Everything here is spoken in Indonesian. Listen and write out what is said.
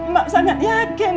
mak sangat yakin